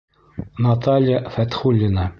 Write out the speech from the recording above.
Наталья ФӘТХУЛЛИНА